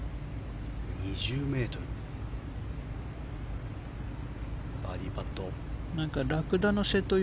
２０ｍのバーディーパットでした。